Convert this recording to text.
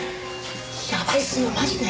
やばいっすよマジで。